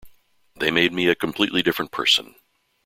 They made me a completely different person.